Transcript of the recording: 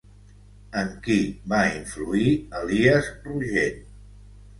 En qui va influir Elies Rogent?